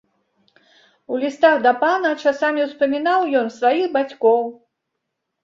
У лістах да пана часамі ўспамінаў ён сваіх бацькоў.